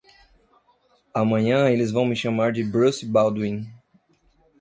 Amanhã eles vão me chamar de Bruce Baldwin.